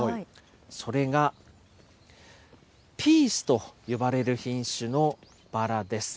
それが、ピースと呼ばれる品種のバラです。